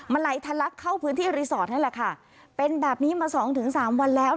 มันไหลทะลักเข้าพื้นที่รีสอร์ทนั่นแหละค่ะเป็นแบบนี้มาสองถึงสามวันแล้ว